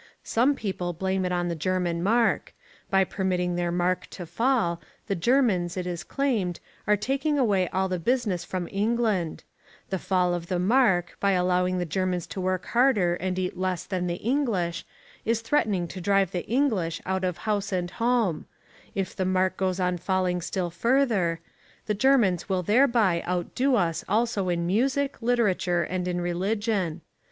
Some people blame it on the German mark: by permitting their mark to fall, the Germans, it is claimed, are taking away all the business from England; the fall of the mark, by allowing the Germans to work harder and eat less than the English, is threatening to drive the English out of house and home: if the mark goes on falling still further the Germans will thereby outdo us also in music, literature and in religion.